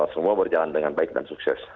semua berjalan dengan baik dan sukses